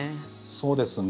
そうですね。